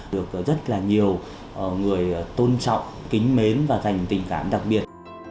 được rất là nhiều người tôn trọng kính mến và dành tình cảm đặc biệt